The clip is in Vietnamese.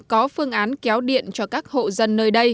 có phương án kéo điện cho các hộ dân để mà có điều kiện phát triển kinh tế